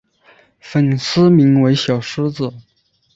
粉丝名为小狮子。